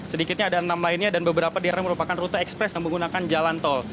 sedikitnya ada enam lainnya dan beberapa daerah merupakan rute ekspres yang menggunakan jalan tol